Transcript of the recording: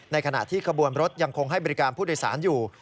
ขณะที่ขบวนรถยังคงให้บริการผู้โดยสารอยู่